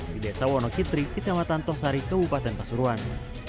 di desa wonokitri kecamatan tosari kabupaten pasuruan